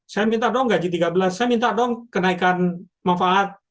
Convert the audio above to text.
saya minta dong gaji tiga belas saya minta dong kenaikan manfaat